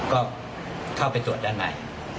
ก็เข้าไปตรวจด้านใน